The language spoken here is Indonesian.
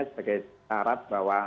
sebagai syarat bahwa